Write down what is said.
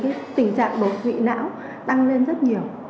thì tình trạng bột vị não tăng lên rất nhiều